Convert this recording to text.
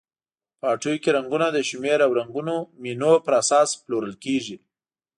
په هټیو کې رنګونه د شمېر او رنګونو مینو پر اساس پلورل کیږي.